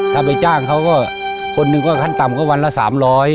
ถ้าไปจ้างเขาก็คนหนึ่งก็ขั้นต่ำก็วันละ๓๐๐